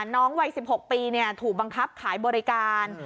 น้องวัย๑๖ปีถูกบังคับขายบริการ